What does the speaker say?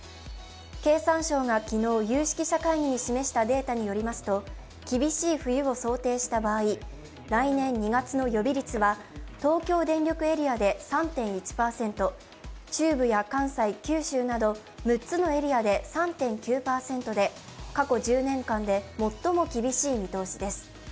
経産省が昨日有識者会議に示したデータによりますと厳しい冬を想定した場合来年２月の予備率は東京電力エリアで３．１％、中部や関西、九州など６つのエリアで３．９％で、過去１０年間で最も厳しい見通しです。